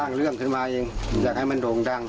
เรื่องขึ้นมาเองอยากให้มันโด่งดัง